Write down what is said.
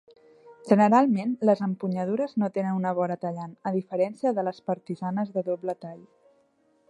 Generalment, les empunyadures no tenen una vora tallant, a diferència de les partisanes de doble tall.